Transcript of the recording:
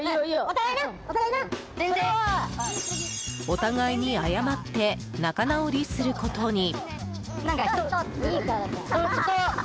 お互いに謝って仲直りすることに。